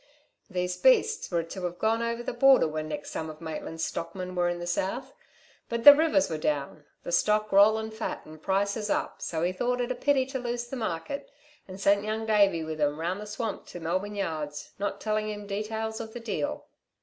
These beasts were to have gone over the border when next some of Maitland's stockmen were in the South; but the rivers were down, the stock rollin' fat, and prices up, so he thought it a pity to lose the market, and sent Young Davey with 'm round the swamp to Melbourne yards, not telling him details of the deal.